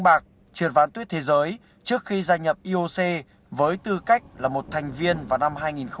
bạc triệt phá tuyết thế giới trước khi gia nhập ioc với tư cách là một thành viên vào năm hai nghìn một mươi